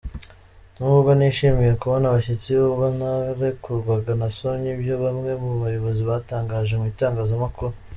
Nubwo nishimiye kubona abashyitsi, ubwo narekurwaga nasomye ibyo bamwe mu bayobozi batangaje mu itangazamakuru.